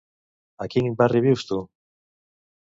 A quin barri vius, tu?